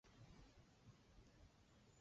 与连横往来密切。